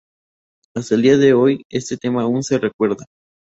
Hasta el día de hoy este tema aún se recuerda.